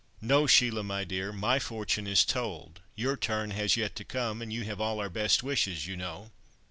"No, Sheila, my dear! My fortune is told, your turn has yet to come, and you have all our best wishes, you know."